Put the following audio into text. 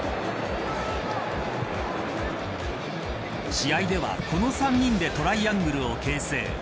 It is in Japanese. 試合では、この３人でトライアングルを形成。